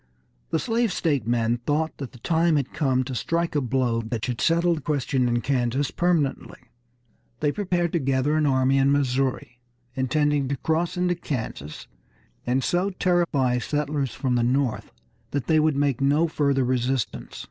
The slave state men thought that the time had come to strike a blow that should settle the question in Kansas permanently. They prepared to gather an army in Missouri, intending to cross into Kansas, and so terrify settlers from the North that they would make no further resistance.